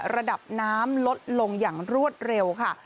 ระดับน้ำลดลงอย่างรวดเร็วค่ะ